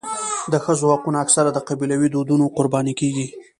د ښځو حقونه اکثره د قبیلوي دودونو قرباني کېږي.